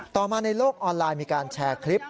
ต่อมาในโลกออนไลน์มีการแชร์คลิป